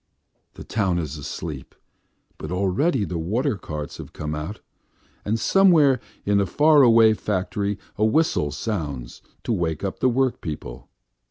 The town is asleep, but already the water carts have come out, and somewhere in a far away factory a whistle sounds to wake up the workpeople.